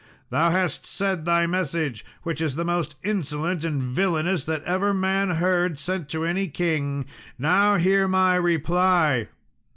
Thou hast said thy message, which is the most insolent and villainous that ever man heard sent to any king: now hear my reply.